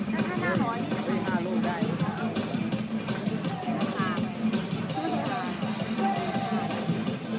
น่ากลิ่นแบบนี้มีเวลาเกิดขึ้นมากและปลอดภัยสักครู่